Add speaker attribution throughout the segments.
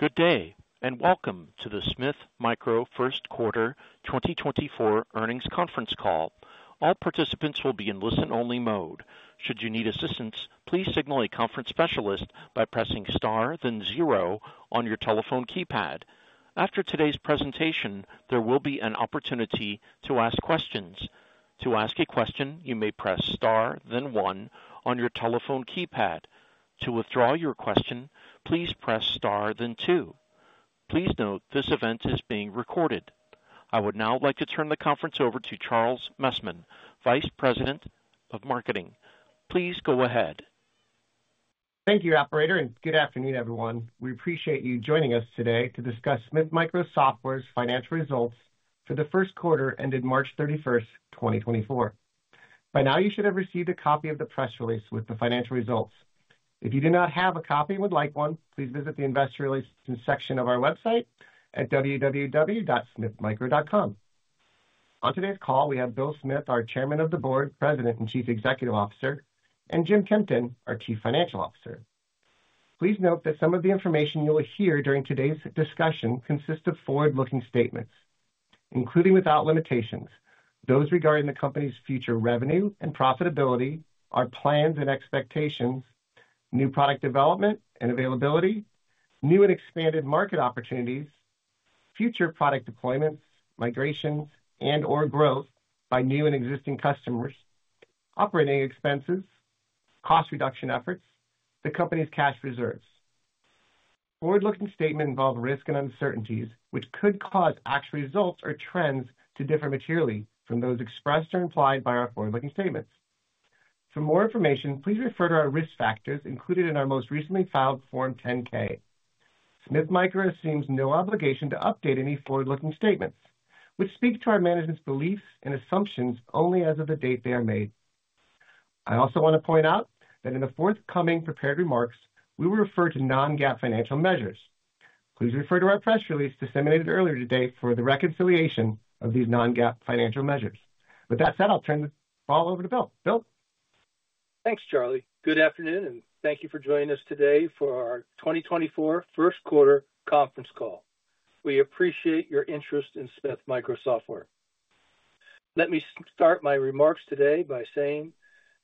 Speaker 1: Good day and welcome to the Smith Micro first quarter 2024 earnings conference call. All participants will be in listen-only mode. Should you need assistance, please signal a conference specialist by pressing star then zero on your telephone keypad? After today's presentation, there will be an opportunity to ask questions. To ask a question, you may press star then one on your telephone keypad. To withdraw your question, please press star then two. Please note, this event is being recorded. I would now like to turn the conference over to Charles Messman, Vice President of Marketing. Please go ahead.
Speaker 2: Thank you, Operator, and good afternoon, everyone. We appreciate you joining us today to discuss Smith Micro Software's financial results for the first quarter ended March 31, 2024. By now, you should have received a copy of the press release with the financial results. If you do not have a copy and would like one, please visit the investor relations section of our website at www.smithmicro.com. On today's call, we have Bill Smith, our Chairman of the Board, President and Chief Executive Officer, and Jim Kempton, our Chief Financial Officer. Please note that some of the information you'll hear during today's discussion consists of forward-looking statements, including without limitations: those regarding the company's future revenue and profitability, our plans and expectations, new product development and availability, new and expanded market opportunities, future product deployments, migrations, and/or growth by new and existing customers, operating expenses, cost reduction efforts, the company's cash reserves. Forward-looking statements involve risk and uncertainties, which could cause actual results or trends to differ materially from those expressed or implied by our forward-looking statements. For more information, please refer to our risk factors included in our most recently filed Form 10-K. Smith Micro assumes no obligation to update any forward-looking statements, which speak to our management's beliefs and assumptions only as of the date they are made. I also want to point out that in the forthcoming prepared remarks, we will refer to Non-GAAP financial measures. Please refer to our press release disseminated earlier today for the reconciliation of these non-GAAP financial measures. With that said, I'll turn the ball over to Bill. Bill?
Speaker 3: Thanks, Charlie. Good afternoon, and thank you for joining us today for our 2024 first quarter conference call. We appreciate your interest in Smith Micro Software. Let me start my remarks today by saying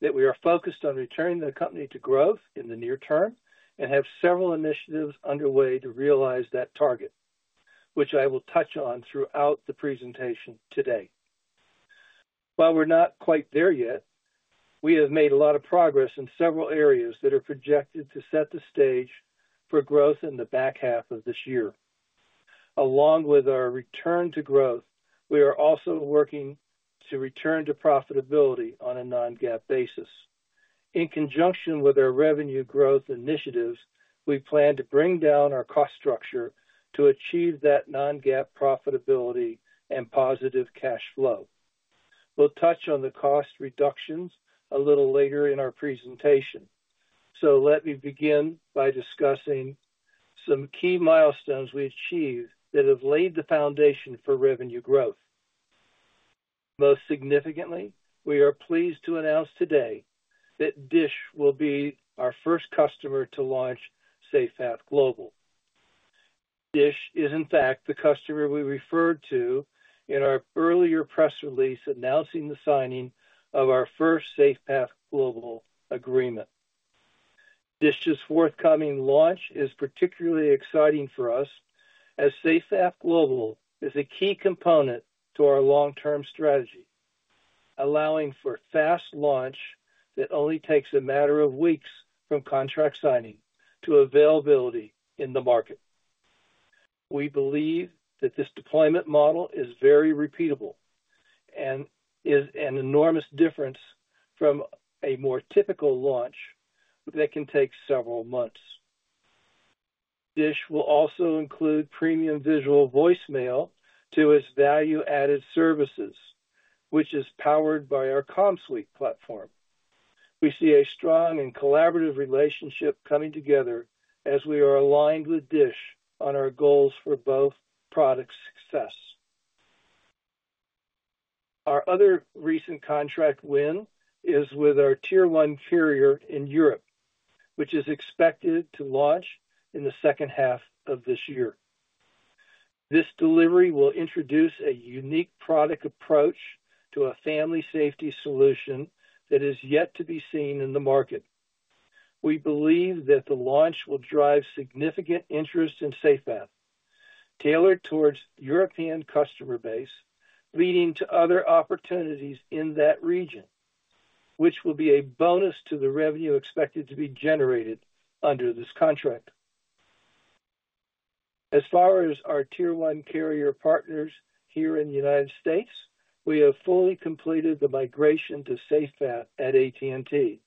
Speaker 3: that we are focused on returning the company to growth in the near term and have several initiatives underway to realize that target, which I will touch on throughout the presentation today. While we're not quite there yet, we have made a lot of progress in several areas that are projected to set the stage for growth in the back half of this year. Along with our return to growth, we are also working to return to profitability on a non-GAAP basis. In conjunction with our revenue growth initiatives, we plan to bring down our cost structure to achieve that non-GAAP profitability and positive cash flow. We'll touch on the cost reductions a little later in our presentation, so let me begin by discussing some key milestones we achieved that have laid the foundation for revenue growth. Most significantly, we are pleased to announce today that DISH will be our first customer to launch SafePath Global. DISH is, in fact, the customer we referred to in our earlier press release announcing the signing of our first SafePath Global agreement. DISH's forthcoming launch is particularly exciting for us as SafePath Global is a key component to our long-term strategy, allowing for fast launch that only takes a matter of weeks from contract signing to availability in the market. We believe that this deployment model is very repeatable and is an enormous difference from a more typical launch that can take several months. DISH will also include Premium Visual Voicemail to its value-added services, which is powered by our CommSuite platform. We see a strong and collaborative relationship coming together as we are aligned with DISH on our goals for both product success. Our other recent contract win is with our Tier 1 carrier in Europe, which is expected to launch in the second half of this year. This delivery will introduce a unique product approach to a family safety solution that is yet to be seen in the market. We believe that the launch will drive significant interest in SafePath, tailored towards the European customer base, leading to other opportunities in that region, which will be a bonus to the revenue expected to be generated under this contract. As far as our Tier 1 carrier partners here in the United States, we have fully completed the migration to SafePath at AT&T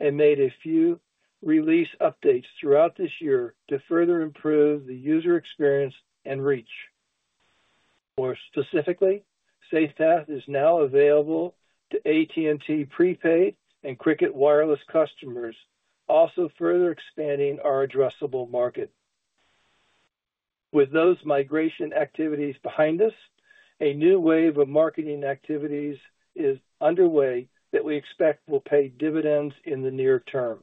Speaker 3: and made a few release updates throughout this year to further improve the user experience and reach. More specifically, SafePath is now available to AT&T Prepaid and Cricket Wireless customers, also further expanding our addressable market. With those migration activities behind us, a new wave of marketing activities is underway that we expect will pay dividends in the near term.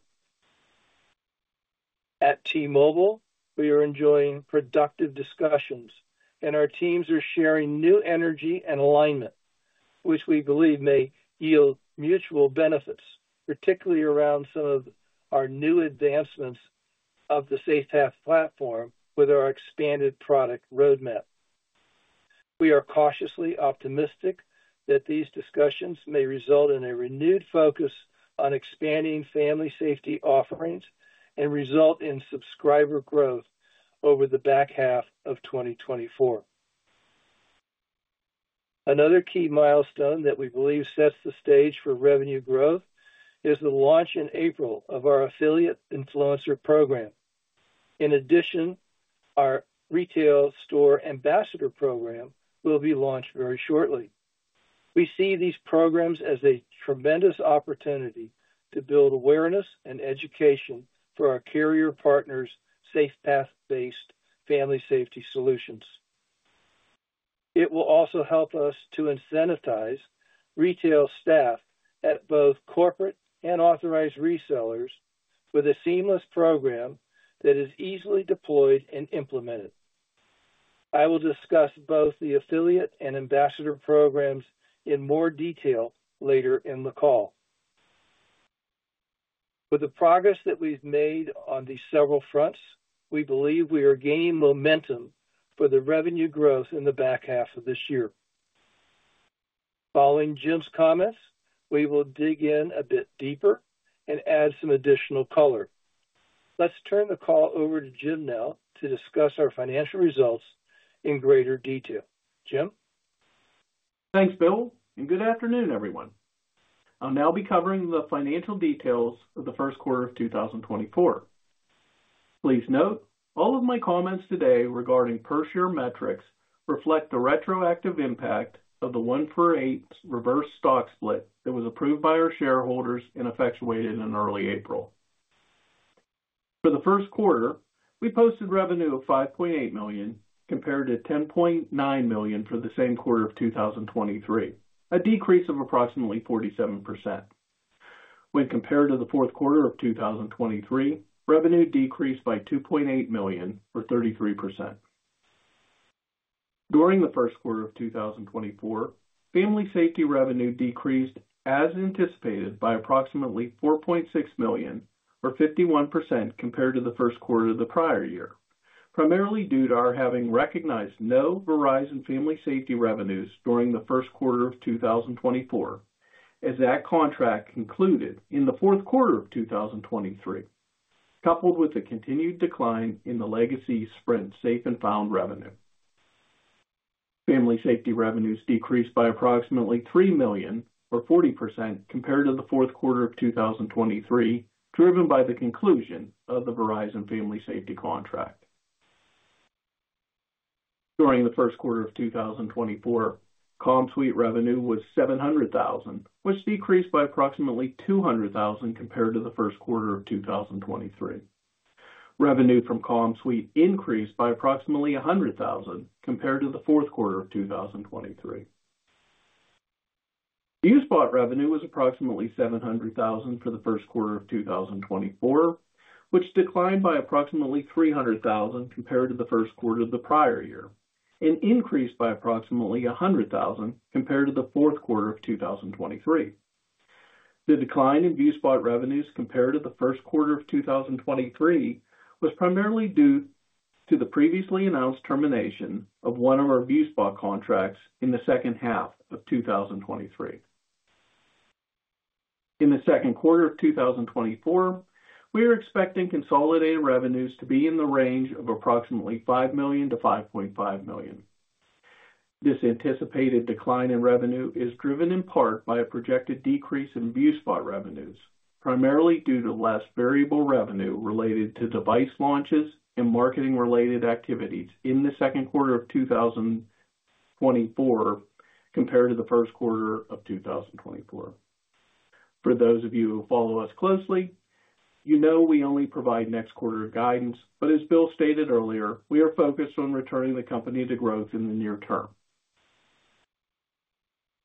Speaker 3: At T-Mobile, we are enjoying productive discussions, and our teams are sharing new energy and alignment, which we believe may yield mutual benefits, particularly around some of our new advancements of the SafePath platform with our expanded product roadmap. We are cautiously optimistic that these discussions may result in a renewed focus on expanding family safety offerings and result in subscriber growth over the back half of 2024. Another key milestone that we believe sets the stage for revenue growth is the launch in April of our affiliate influencer program. In addition, our retail store ambassador program will be launched very shortly. We see these programs as a tremendous opportunity to build awareness and education for our carrier partners' SafePath-based family safety solutions. It will also help us to incentivize retail staff at both corporate and authorized resellers with a seamless program that is easily deployed and implemented. I will discuss both the affiliate and ambassador programs in more detail later in the call. With the progress that we've made on these several fronts, we believe we are gaining momentum for the revenue growth in the back half of this year. Following Jim's comments, we will dig in a bit deeper and add some additional color. Let's turn the call over to Jim now to discuss our financial results in greater detail. Jim?
Speaker 4: Thanks, Bill, and good afternoon, everyone. I'll now be covering the financial details of the first quarter of 2024. Please note, all of my comments today regarding per share metrics reflect the retroactive impact of the 1-for-8 reverse stock split that was approved by our shareholders and effectuated in early April. For the first quarter, we posted revenue of $5.8 million compared to $10.9 million for the same quarter of 2023, a decrease of approximately 47%. When compared to the fourth quarter of 2023, revenue decreased by $2.8 million or 33%. During the first quarter of 2024, family safety revenue decreased as anticipated by approximately $4.6 million or 51% compared to the first quarter of the prior year, primarily due to our having recognized no Verizon family safety revenues during the first quarter of 2024 as that contract concluded in the fourth quarter of 2023, coupled with the continued decline in the legacy Sprint Safe & Found revenue. Family safety revenues decreased by approximately $3 million or 40% compared to the fourth quarter of 2023, driven by the conclusion of the Verizon family safety contract. During the first quarter of 2024, CommSuite revenue was $700,000, which decreased by approximately $200,000 compared to the first quarter of 2023. Revenue from CommSuite increased by approximately $100,000 compared to the fourth quarter of 2023. ViewSpot revenue was approximately $700,000 for the first quarter of 2024, which declined by approximately $300,000 compared to the first quarter of the prior year and increased by approximately $100,000 compared to the fourth quarter of 2023. The decline in ViewSpot revenues compared to the first quarter of 2023 was primarily due to the previously announced termination of one of our ViewSpot contracts in the second half of 2023. In the second quarter of 2024, we are expecting consolidated revenues to be in the range of approximately $5 million-$5.5 million. This anticipated decline in revenue is driven in part by a projected decrease in ViewSpot revenues, primarily due to less variable revenue related to device launches and marketing-related activities in the second quarter of 2024 compared to the first quarter of 2024. For those of you who follow us closely, you know we only provide next quarter guidance, but as Bill stated earlier, we are focused on returning the company to growth in the near term.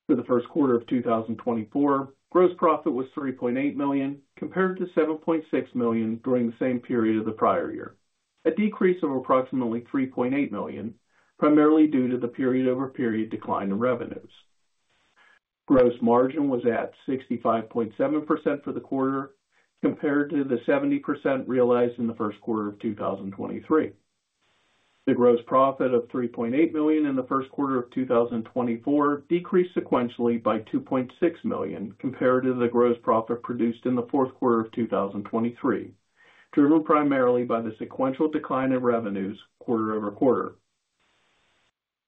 Speaker 4: For the first quarter of 2024, gross profit was $3.8 million compared to $7.6 million during the same period of the prior year, a decrease of approximately $3.8 million, primarily due to the period-over-period decline in revenues. Gross margin was at 65.7% for the quarter compared to the 70% realized in the first quarter of 2023. The gross profit of $3.8 million in the first quarter of 2024 decreased sequentially by $2.6 million compared to the gross profit produced in the fourth quarter of 2023, driven primarily by the sequential decline in revenues quarter over quarter.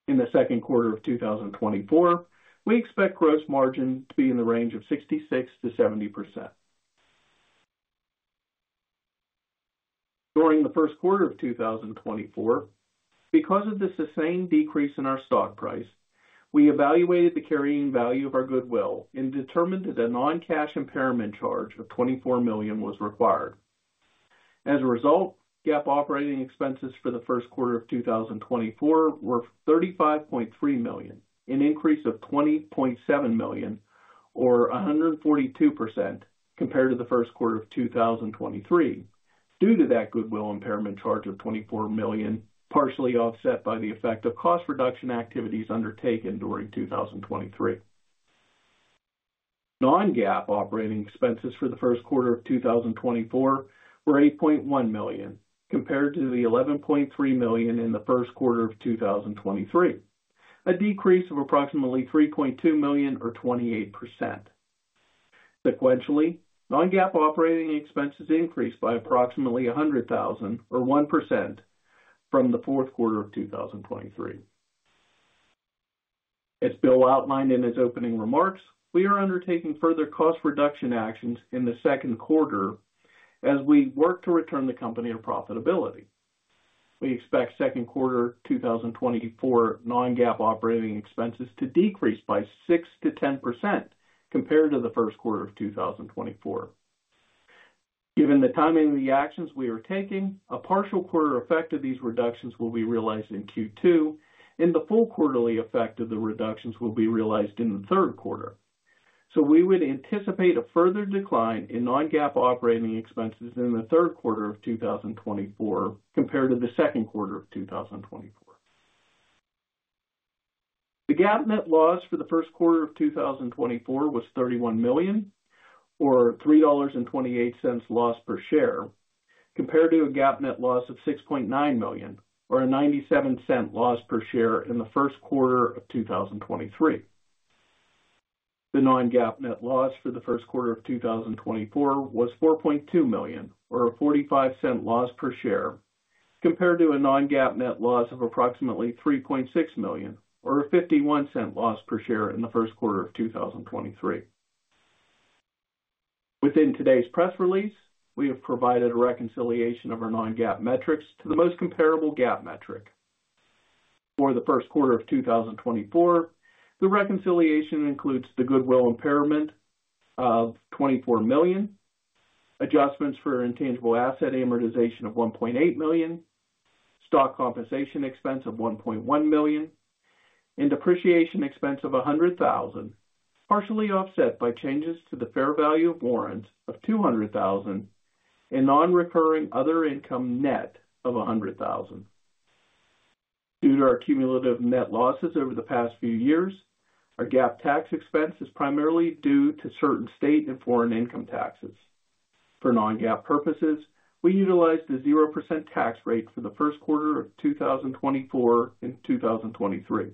Speaker 4: In the second quarter of 2024, we expect gross margin to be in the range of 66%-70%. During the first quarter of 2024, because of the sustained decrease in our stock price, we evaluated the carrying value of our goodwill and determined that a non-cash impairment charge of $24 million was required. As a result, GAAP operating expenses for the first quarter of 2024 were $35.3 million, an increase of $20.7 million or 142% compared to the first quarter of 2023 due to that goodwill impairment charge of $24 million, partially offset by the effect of cost reduction activities undertaken during 2023. Non-GAAP operating expenses for the first quarter of 2024 were $8.1 million compared to the $11.3 million in the first quarter of 2023, a decrease of approximately $3.2 million or 28%. Sequentially, non-GAAP operating expenses increased by approximately $100,000 or 1% from the fourth quarter of 2023. As Bill outlined in his opening remarks, we are undertaking further cost reduction actions in the second quarter as we work to return the company to profitability. We expect second quarter 2024 Non-GAAP operating expenses to decrease by 6%-10% compared to the first quarter of 2024. Given the timing of the actions we are taking, a partial quarter effect of these reductions will be realized in Q2, and the full quarterly effect of the reductions will be realized in the third quarter. So we would anticipate a further decline in Non-GAAP operating expenses in the third quarter of 2024 compared to the second quarter of 2024. The GAAP net loss for the first quarter of 2024 was $31 million or $3.28 loss per share compared to a GAAP net loss of $6.9 million or a $0.97 loss per share in the first quarter of 2023. The Non-GAAP net loss for the first quarter of 2024 was $4.2 million or a $0.45 loss per share compared to a Non-GAAP net loss of approximately $3.6 million or a $0.51 loss per share in the first quarter of 2023. Within today's press release, we have provided a reconciliation of our Non-GAAP metrics to the most comparable GAAP metric. For the first quarter of 2024, the reconciliation includes the goodwill impairment of $24 million, adjustments for intangible asset amortization of $1.8 million, stock compensation expense of $1.1 million, and depreciation expense of $100,000, partially offset by changes to the fair value of warrants of $200,000 and non-recurring other income net of $100,000. Due to our cumulative net losses over the past few years, our GAAP tax expense is primarily due to certain state and foreign income taxes. For non-GAAP purposes, we utilized the 0% tax rate for the first quarter of 2024 and 2023.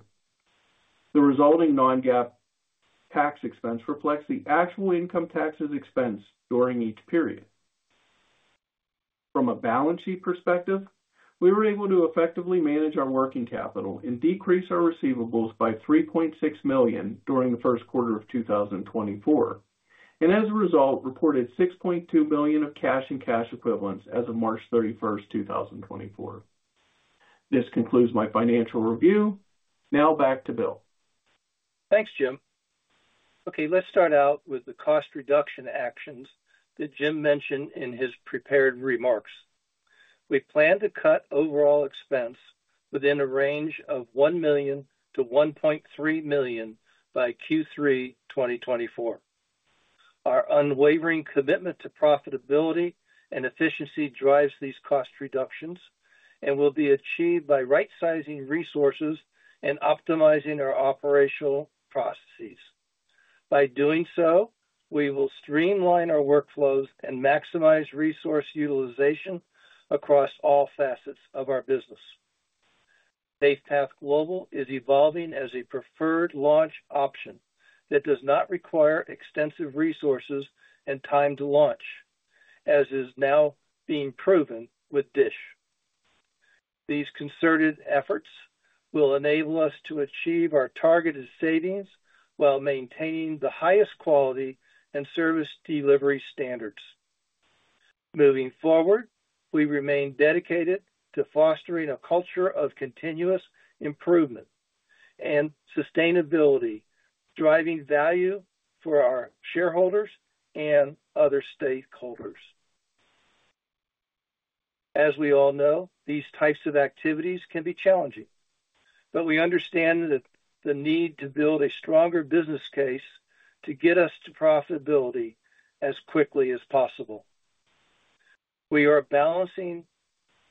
Speaker 4: The resulting non-GAAP tax expense reflects the actual income taxes expense during each period. From a balance sheet perspective, we were able to effectively manage our working capital and decrease our receivables by $3.6 million during the first quarter of 2024 and, as a result, reported $6.2 million of cash and cash equivalents as of March 31st, 2024. This concludes my financial review. Now back to Bill.
Speaker 3: Thanks, Jim. Okay, let's start out with the cost reduction actions that Jim mentioned in his prepared remarks. We plan to cut overall expense within a range of $1 million-$1.3 million by Q3, 2024. Our unwavering commitment to profitability and efficiency drives these cost reductions and will be achieved by right-sizing resources and optimizing our operational processes. By doing so, we will streamline our workflows and maximize resource utilization across all facets of our business. SafePath Global is evolving as a preferred launch option that does not require extensive resources and time to launch, as is now being proven with DISH. These concerted efforts will enable us to achieve our targeted savings while maintaining the highest quality and service delivery standards. Moving forward, we remain dedicated to fostering a culture of continuous improvement and sustainability, driving value for our shareholders and other stakeholders. As we all know, these types of activities can be challenging, but we understand the need to build a stronger business case to get us to profitability as quickly as possible. We are balancing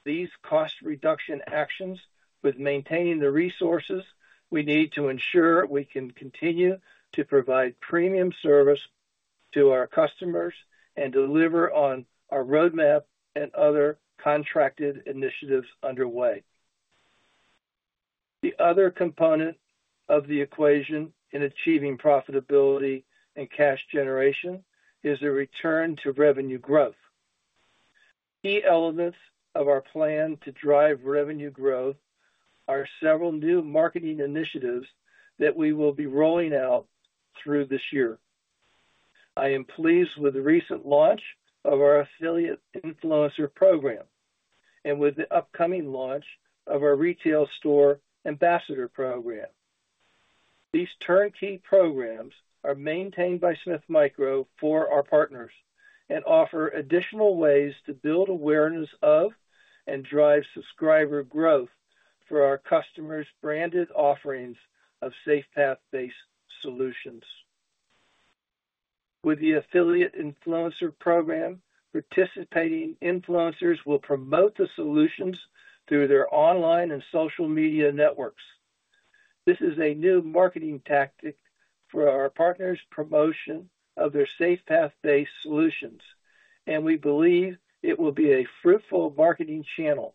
Speaker 3: these cost reduction actions with maintaining the resources we need to ensure we can continue to provide premium service to our customers and deliver on our roadmap and other contracted initiatives underway. The other component of the equation in achieving profitability and cash generation is the return to revenue growth. Key elements of our plan to drive revenue growth are several new marketing initiatives that we will be rolling out through this year. I am pleased with the recent launch of our Affiliate Influencer Program and with the upcoming launch of our Retail Store Ambassador Program. These turnkey programs are maintained by Smith Micro for our partners and offer additional ways to build awareness of and drive subscriber growth for our customers' branded offerings of SafePath-based solutions. With the Affiliate Influencer Program, participating influencers will promote the solutions through their online and social media networks. This is a new marketing tactic for our partners' promotion of their SafePath-based solutions, and we believe it will be a fruitful marketing channel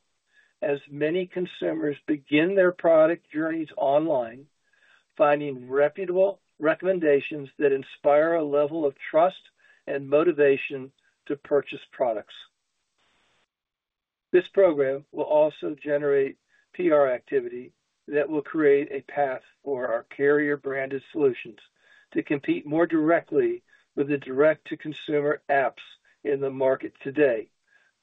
Speaker 3: as many consumers begin their product journeys online, finding reputable recommendations that inspire a level of trust and motivation to purchase products. This program will also generate PR activity that will create a path for our carrier-branded solutions to compete more directly with the direct-to-consumer apps in the market today,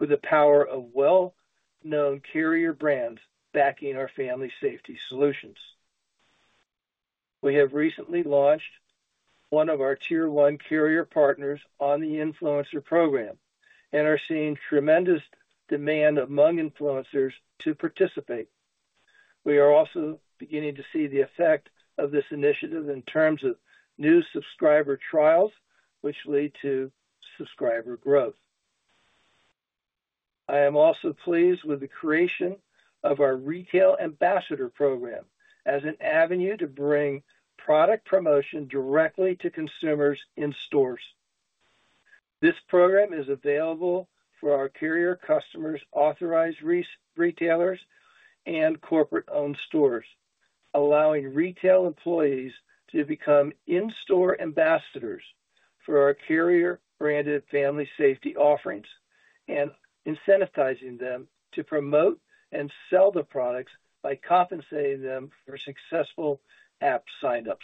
Speaker 3: with the power of well-known carrier brands backing our family safety solutions. We have recently launched one of our Tier 1 carrier partners on the influencer program and are seeing tremendous demand among influencers to participate. We are also beginning to see the effect of this initiative in terms of new subscriber trials, which lead to subscriber growth. I am also pleased with the creation of our Retail Ambassador Program as an avenue to bring product promotion directly to consumers in stores. This program is available for our carrier customers, authorized retailers, and corporate-owned stores, allowing retail employees to become in-store ambassadors for our carrier-branded family safety offerings and incentivizing them to promote and sell the products by compensating them for successful app signups.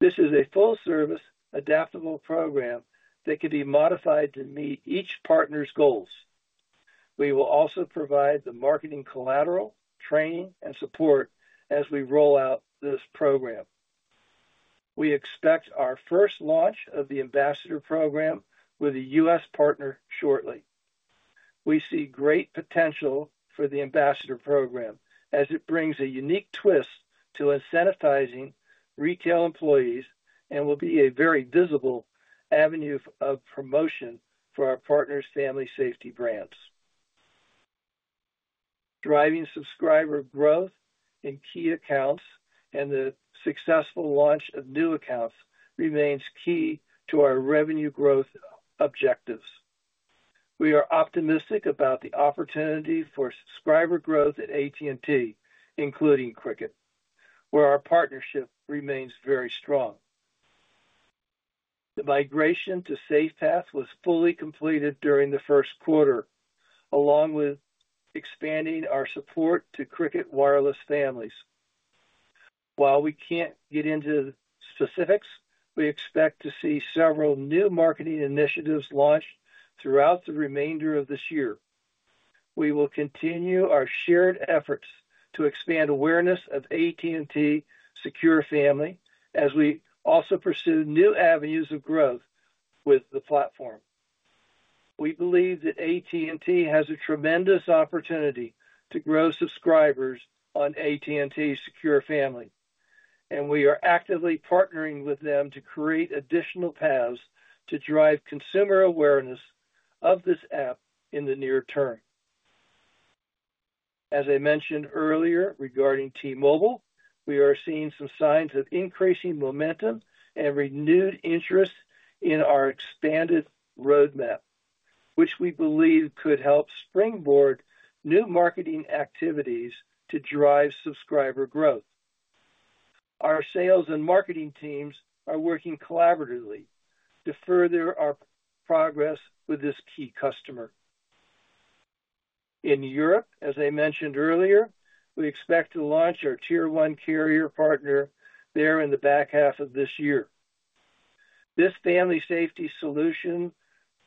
Speaker 3: This is a full-service, adaptable program that can be modified to meet each partner's goals. We will also provide the marketing collateral, training, and support as we roll out this program. We expect our first launch of the ambassador program with a U.S. partner shortly. We see great potential for the ambassador program as it brings a unique twist to incentivizing retail employees and will be a very visible avenue of promotion for our partners' family safety brands. Driving subscriber growth in key accounts and the successful launch of new accounts remains key to our revenue growth objectives. We are optimistic about the opportunity for subscriber growth at AT&T, including Cricket, where our partnership remains very strong. The migration to SafePath was fully completed during the first quarter, along with expanding our support to Cricket Wireless families. While we can't get into specifics, we expect to see several new marketing initiatives launched throughout the remainder of this year. We will continue our shared efforts to expand awareness of AT&T Secure Family as we also pursue new avenues of growth with the platform. We believe that AT&T has a tremendous opportunity to grow subscribers on AT&T Secure Family, and we are actively partnering with them to create additional paths to drive consumer awareness of this app in the near term. As I mentioned earlier regarding T-Mobile, we are seeing some signs of increasing momentum and renewed interest in our expanded roadmap, which we believe could help springboard new marketing activities to drive subscriber growth. Our sales and marketing teams are working collaboratively to further our progress with this key customer. In Europe, as I mentioned earlier, we expect to launch our Tier 1 carrier partner there in the back half of this year. This family safety solution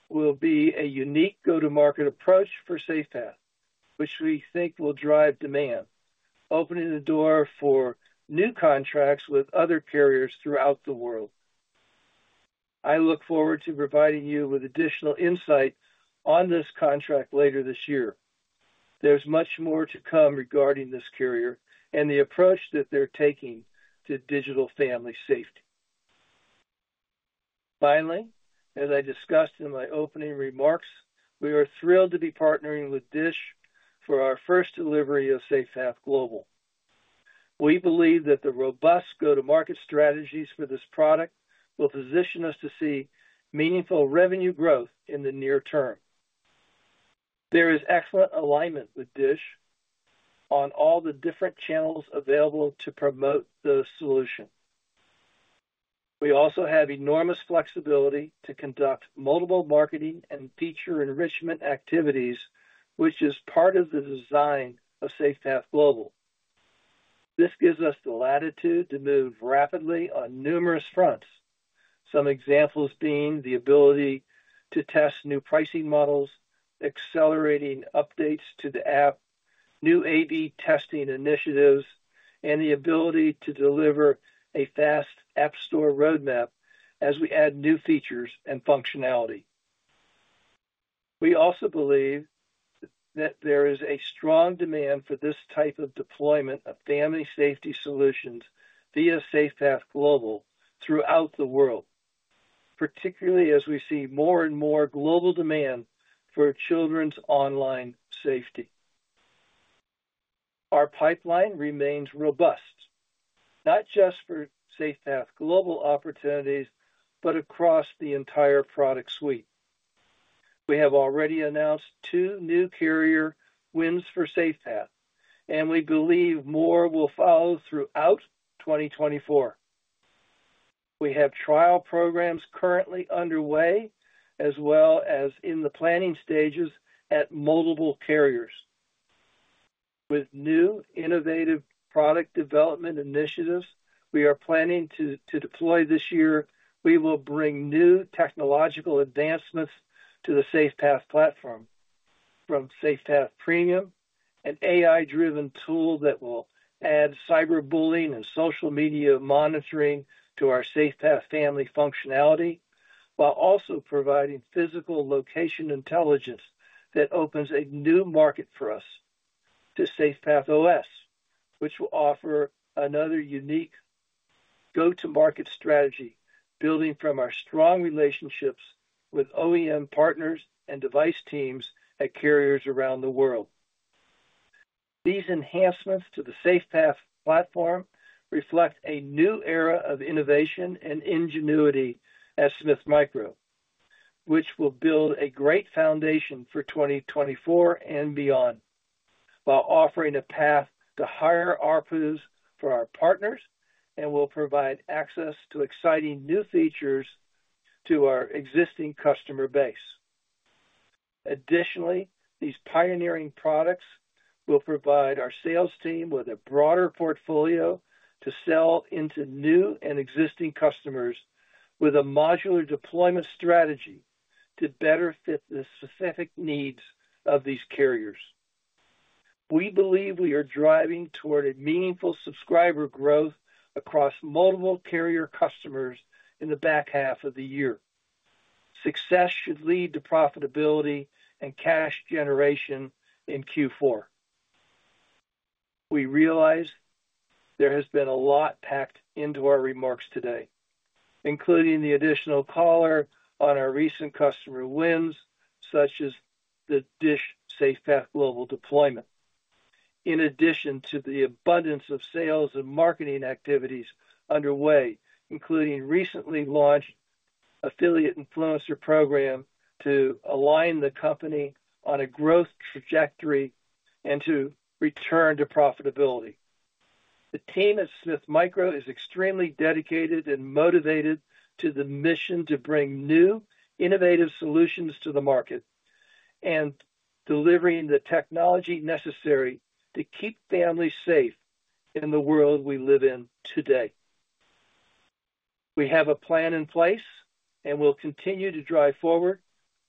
Speaker 3: will be a unique go-to-market approach for SafePath, which we think will drive demand, opening the door for new contracts with other carriers throughout the world. I look forward to providing you with additional insight on this contract later this year. There's much more to come regarding this carrier and the approach that they're taking to digital family safety. Finally, as I discussed in my opening remarks, we are thrilled to be partnering with DISH for our first delivery of SafePath Global. We believe that the robust go-to-market strategies for this product will position us to see meaningful revenue growth in the near term. There is excellent alignment with DISH on all the different channels available to promote the solution. We also have enormous flexibility to conduct multiple marketing and feature enrichment activities, which is part of the design of SafePath Global. This gives us the latitude to move rapidly on numerous fronts, some examples being the ability to test new pricing models, accelerating updates to the app, new A/B testing initiatives, and the ability to deliver a fast app store roadmap as we add new features and functionality. We also believe that there is a strong demand for this type of deployment of family safety solutions via SafePath Global throughout the world, particularly as we see more and more global demand for children's online safety. Our pipeline remains robust, not just for SafePath Global opportunities, but across the entire product suite. We have already announced two new carrier wins for SafePath, and we believe more will follow throughout 2024. We have trial programs currently underway as well as in the planning stages at multiple carriers. With new innovative product development initiatives we are planning to deploy this year, we will bring new technological advancements to the SafePath platform, from SafePath Premium, an AI-driven tool that will add cyberbullying and social media monitoring to our SafePath Family functionality, while also providing physical location intelligence that opens a new market for us to SafePath OS, which will offer another unique go-to-market strategy, building from our strong relationships with OEM partners and device teams at carriers around the world. These enhancements to the SafePath platform reflect a new era of innovation and ingenuity at Smith Micro, which will build a great foundation for 2024 and beyond, while offering a path to higher ARPUs for our partners and will provide access to exciting new features to our existing customer base. Additionally, these pioneering products will provide our sales team with a broader portfolio to sell into new and existing customers with a modular deployment strategy to better fit the specific needs of these carriers. We believe we are driving toward a meaningful subscriber growth across multiple carrier customers in the back half of the year. Success should lead to profitability and cash generation in Q4. We realize there has been a lot packed into our remarks today, including the additional color on our recent customer wins, such as the DISH SafePath Global deployment. In addition to the abundance of sales and marketing activities underway, including recently launched affiliate influencer program to align the company on a growth trajectory and to return to profitability. The team at Smith Micro is extremely dedicated and motivated to the mission to bring new, innovative solutions to the market and delivering the technology necessary to keep families safe in the world we live in today. We have a plan in place and will continue to drive forward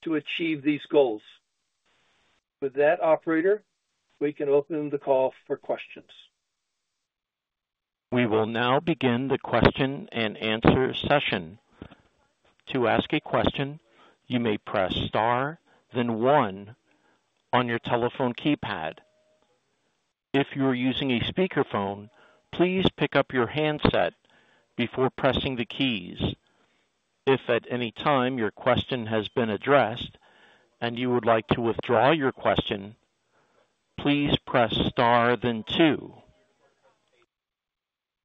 Speaker 3: to achieve these goals. With that, operator, we can open the call for questions.
Speaker 1: We will now begin the question-and-answer session. To ask a question, you may press * then 1 on your telephone keypad. If you are using a speakerphone, please pick up your handset before pressing the keys. If at any time your question has been addressed and you would like to withdraw your question, please press * then 2.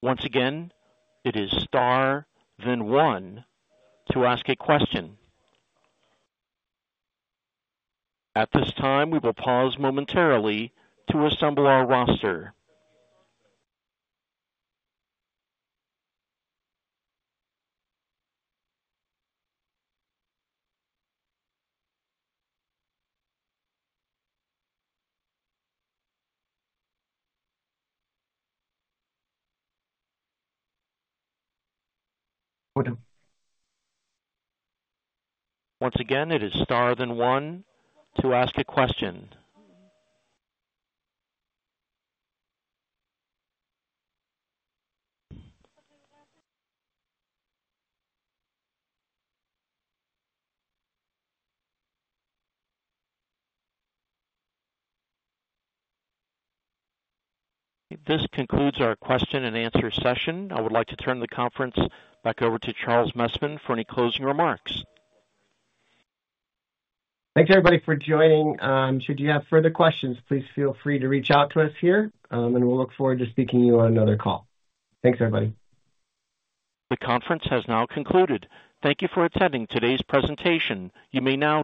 Speaker 1: Once again, it is * then 1 to ask a question. At this time, we will pause momentarily to assemble our roster. Once again, it is star then 1 to ask a question. This concludes our question-and-answer session. I would like to turn the conference back over to Charles Messman for any closing remarks.
Speaker 2: Thanks, everybody, for joining. Should you have further questions, please feel free to reach out to us here, and we'll look forward to speaking to you on another call. Thanks, everybody.
Speaker 1: The conference has now concluded. Thank you for attending today's presentation. You may now.